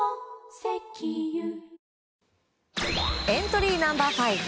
エントリーナンバー５